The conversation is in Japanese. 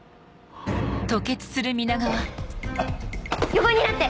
横になって！